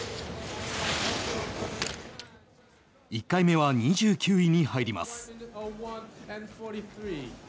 １回目は２９位に入ります。